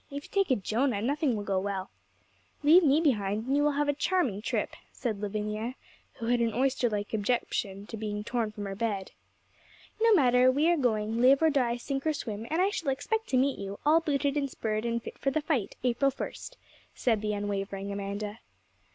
If you take a Jonah nothing will go well. Leave me behind, and you will have a charming trip,' said Lavinia, who had an oyster like objection to being torn from her bed. 'No matter, we are going, live or die, sink or swim; and I shall expect to meet you, all booted and spurred and fit for the fight, April first,' said the unwavering Amanda.